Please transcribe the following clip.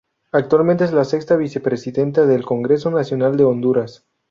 Actualmente es la sexta vicepresidenta del Congreso Nacional de Honduras.